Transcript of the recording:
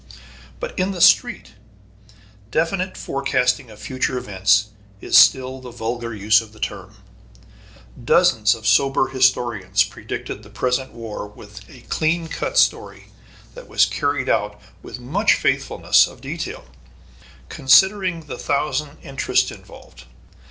But in the street, definite forecasting of future events is still the vulgar use of the term. Dozens of sober historians predicted the present war with a clean cut story that was carried out with much faithfulness of detail, considering the thousand interests involved.